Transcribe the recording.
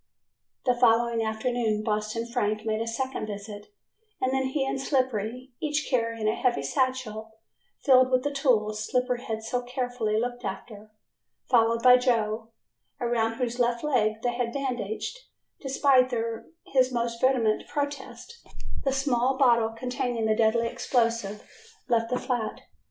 The following afternoon Boston Frank made a second visit and then he and Slippery, each carrying a heavy satchel filled with the tools Slippery had so carefully looked after, followed by Joe, around whose left leg they had bandaged, despite his most vehement protests, the small bottle containing the deadly explosive, left the flat.